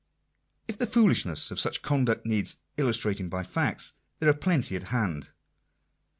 If the foolishness of such conduct needs illustrating by facts, there are plenty at hand.